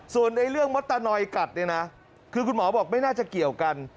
ส่วนเรื่องมดตะนอยกัดเนี่ยนะคือคุณหมอบอกไม่น่าจะเกี่ยวกัน